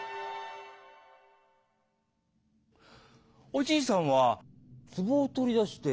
おじいさんはつぼを取り出して。